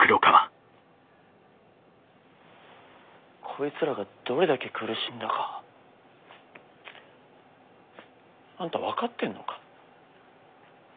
こいつらがどれだけ苦しんだかあんた分かってんのか？